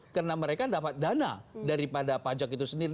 karena mereka dapat dana daripada pajak itu sendiri